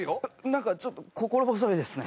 なんかちょっと心細いですね